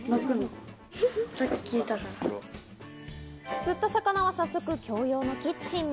釣った魚は早速、共用のキッチンに。